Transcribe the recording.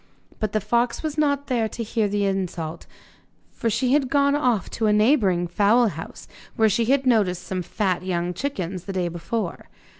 But the fox was not there to hear this insult, for she had gone off to a neighbouring fowl house, where she had noticed some fat young chickens the day before.